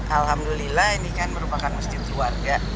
alhamdulillah ini kan merupakan masjid keluarga